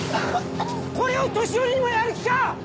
これを年寄りにもやる気か！